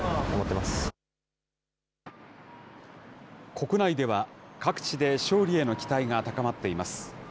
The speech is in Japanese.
国内では、各地で勝利への期待が高まっています。